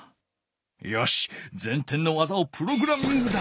よし前転の技をプログラミングだ！